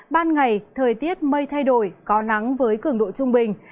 ban ngày thời tiết mây thay đổi có nắng với cường độ trung bình